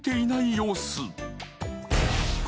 様子